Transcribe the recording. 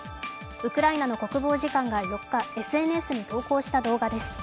ウクライナの国防次官が４日、ＳＮＳに投稿した動画です。